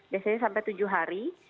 biasanya sampai tujuh hari